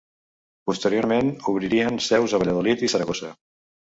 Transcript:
Posteriorment obririen seus a Valladolid i Saragossa.